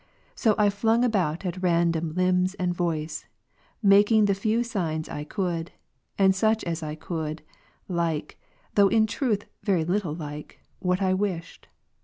So I flung about at random limbs and voice, making the few signs I could, and such as I could, like, though in truth very little like, what I wished.